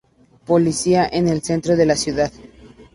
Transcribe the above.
Policía: en el centro de la ciudad.